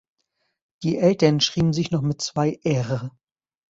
Die Eltern schrieben sich noch mit zwei „r“.